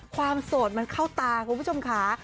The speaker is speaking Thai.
โสดมันเข้าตาคุณผู้ชมค่ะ